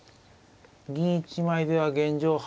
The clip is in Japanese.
銀１枚では現状